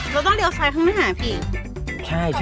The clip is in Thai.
เราต้องเรียวสายเพิ่มให้หายพี่